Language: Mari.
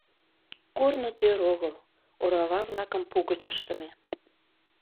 Корно тӧр огыл, орава-влакым пу гыч ыштыме.